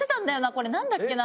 これなんだっけな？